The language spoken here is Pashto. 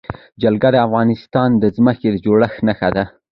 جلګه د افغانستان د ځمکې د جوړښت نښه ده.